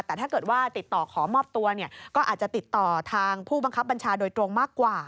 แต่ถ้าเกิดว่าติดต่อขอมอบตัวเนี่ยก็อาจจะติดต่อทางผู้บังคับบัญชาโดยตรงมากกว่า